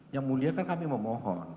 yang mulia kan kami mau mohon